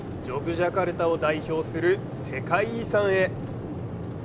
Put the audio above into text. ジャカルタを代表する世界遺産へ。